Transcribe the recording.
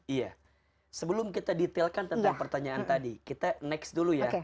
iya sebelum kita detailkan tentang pertanyaan tadi kita next dulu ya